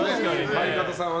相方さんは。